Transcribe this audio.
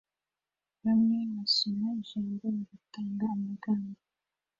Bamwe basoma ijambo bagatanga amagambo